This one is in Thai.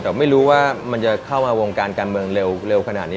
แต่ไม่รู้ว่ามันจะเข้ามาวงการการเมืองเร็วขนาดนี้